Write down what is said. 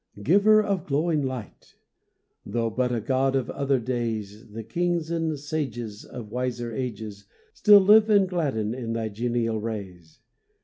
Giver of glowing light! Though but a god of other days, The kings and sages Of wiser ages Still live and gladden in thy genial rays!